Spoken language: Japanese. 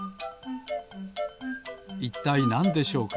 いったいなんでしょうか？